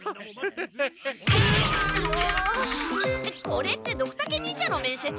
これってドクタケ忍者の面接？